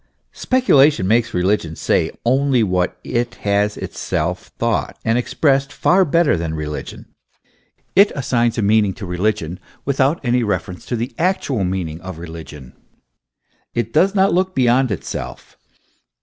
Speculation makes religion say only what it has itself thought, and expressed far better than religion; it assigns a meaning to religion without any refer ence to the actual meaning of religion; it does not look beyond itself.